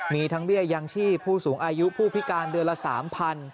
มีทั้งเบี้ยยังชีพผู้สูงอายุผู้พิการเดือนละ๓๐๐